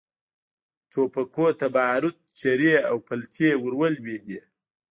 ټوپکونو ته باروت، چرې او پلتې ور ولوېدې.